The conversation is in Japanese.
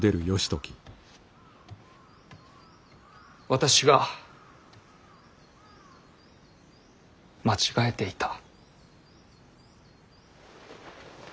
私が間違えていた。